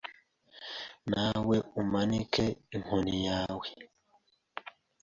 Nawe umanike inkoni yawe